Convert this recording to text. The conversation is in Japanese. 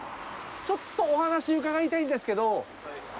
ちょっとお話伺いたいんですけど。